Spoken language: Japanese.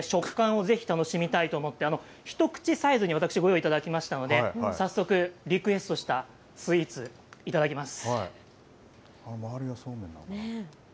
食感をぜひ楽しみたいと思って一口サイズにご用意いただきましたので早速リクエストしたスイーツいただきます。